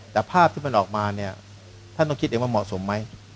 แต่ภาพที่มันออกมาเนี่ยท่านต้องคิดเองว่าเหมาะสมไหม